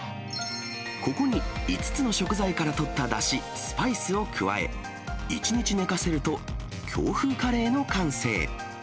ここに５つの食材からとっただし、スパイスを加え、一日寝かせると京風カレーの完成。